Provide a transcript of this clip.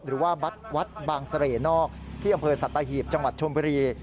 หรือว่าวัดบางเสร่นอกที่อำเภอสัตหีบจังหวัดชมบุรี